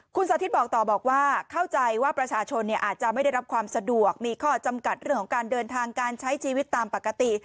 คุณสาธิตบอกต่อบอกว่าเข้าใจว่าประชาชนอาจจะไม่ได้รับความสะดวกมีข้อจำกัดเรื่องของการเดินทางการใช้ชีวิตตามปกติ